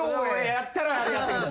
やったら。